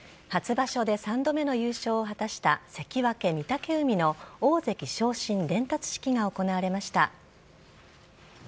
初場所で３度目の優勝を果たした関脇・御嶽海の大関昇進伝達式が行われました。